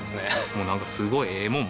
もうなんかすごいええもん